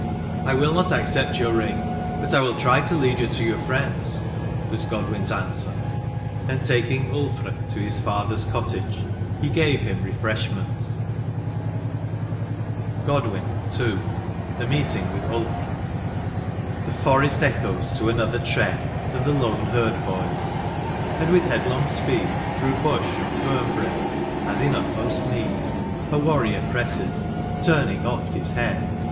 —" I will not accept your ring, hut I will try to lead you to your friends," was Godwin's answer — and taking Ulfr to his father's cottage, he gave him refreshment 161 LXXX. GODWIN. — II. THE MEETING WITH ULFR. The forest echoes to another tread Than the lone herd hoys, and with headlong speed, Through hush and fern hrake, as in utmost need, A warrior presses, turning oft his head.